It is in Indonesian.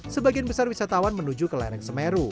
sebagian besar wisatawan menuju ke lereng semeru